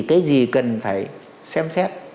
cái gì cần phải xem xét